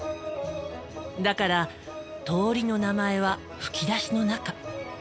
だから通りの名前は吹き出しの中。